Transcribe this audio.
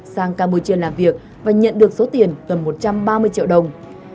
sang campuchia làm việc và nhận được số tiền gần một trăm ba mươi triệu đồng